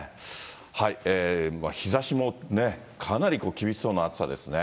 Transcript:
日ざしもね、かなり厳しそうな暑さですね。